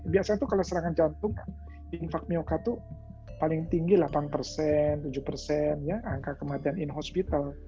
biasanya tuh kalau serangan jantung infak myoca itu paling tinggi delapan persen tujuh persen angka kematian in hospital